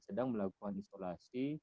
sedang melakukan isolasi